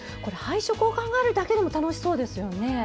これ配色を考えるだけでも楽しそうですよね。